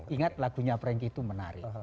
ingat lagunya franky itu menarik